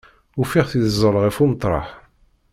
Ufiɣ-t yeẓẓel ɣef umeṭreḥ.